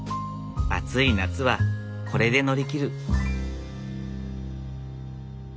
暑い夏はこれで乗り切る。